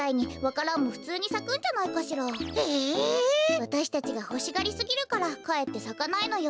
わたしたちがほしがりすぎるからかえってさかないのよ。